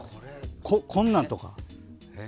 こんなんとか。